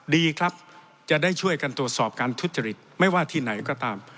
ดีครับจะได้ช่วยกันตรวจสอบการทุจริตไม่ว่าที่ไหนก็ตาม